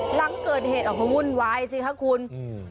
หลังเกิดเหตุออกมาวุ่นวายสิคะคุณอืม